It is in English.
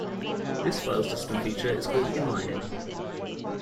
This file system feature is called inlining.